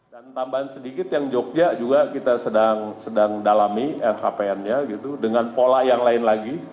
dan tambahan sedikit yang jogja juga kita sedang dalami rkpn nya dengan pola yang lain lagi